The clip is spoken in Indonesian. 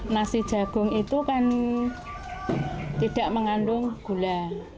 nasi jagung itu kan tidak mengandung gula